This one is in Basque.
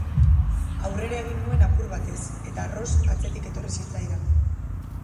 Aurrera egin nuen apur batez, eta Ross atzetik etorri zitzaidan.